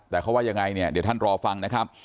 แต่เขาว่ายังไงเนี่ยเดี๋ยวท่านรอฟังนะครับ